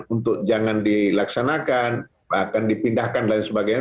untuk jangan dilaksanakan akan dipindahkan dan sebagainya